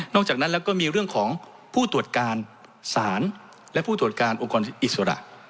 จากนั้นแล้วก็มีเรื่องของผู้ตรวจการศาลและผู้ตรวจการองค์กรอิสระ